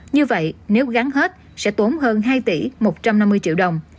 như vậy nếu gắn hết sẽ tốn hơn hai tỷ một trăm năm mươi triệu đồng